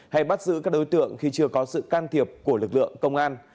hay bắt giữ các đối tượng khi chưa có sự can thiệp của lực lượng công an